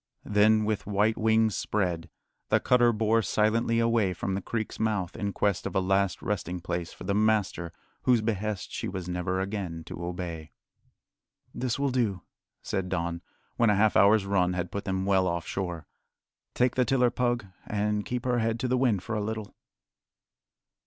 Then, with white wings spread, the cutter bore silently away from the creek's mouth in quest of a last resting place for the master whose behest she was never again to obey. "This will do," said Don, when a half hour's run had put them well off shore. "Take the tiller, Pug, and keep her head to the wind for a little."